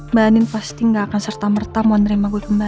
mbak anin pasti gak akan serta merta mau nerima gue kembali